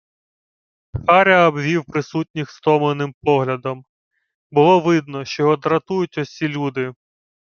Харя обвів присутніх стомленим поглядом — було видно, що його дратують осі люди.